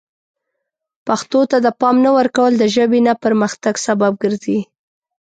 پښتو ته د پام نه ورکول د ژبې نه پرمختګ سبب ګرځي.